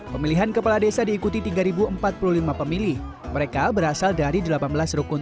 pemilihan kepala desa diikuti tiga ribu empat puluh lima pemilih mereka berasal dari delapan belas rukun